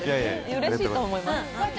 うれしいと思います。